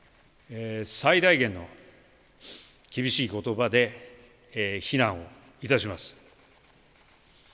最大限の厳しいことばで非難をいたします。